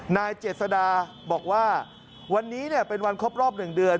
นายเจษดาบอกว่าวันนี้เป็นวันครบรอบ๑เดือน